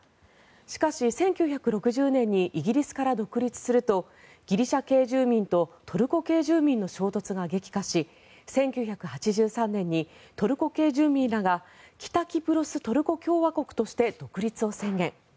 しかし、１９６０年にイギリスから独立するとギリシャ系住民とトルコ系住民の衝突が激化し１９８３年にトルコ系住民らが北キプロス・トルコ共和国として独立を宣言。